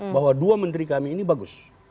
bahwa dua menteri kami ini bagus